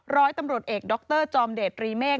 ร้อยตำรวจเอกดรจอมเดชรีเมฆ